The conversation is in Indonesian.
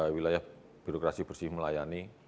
wilayah birokrasi bersih melayani